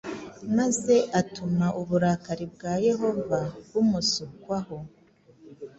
maze atuma uburakari bwa Yehova bumusukwaho.